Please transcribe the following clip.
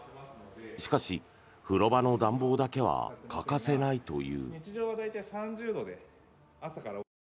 しかし、風呂場の暖房だけは欠かせないという。